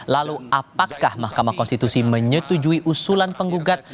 lalu apakah mahkamah konstitusi menyetujui usulan penggugat